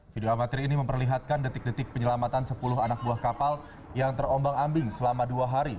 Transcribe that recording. video amatir ini memperlihatkan detik detik penyelamatan sepuluh anak buah kapal yang terombang ambing selama dua hari